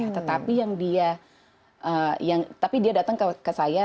tetapi dia datang ke saya